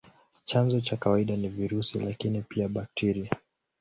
Chanzo cha kawaida ni virusi, lakini pia bakteria.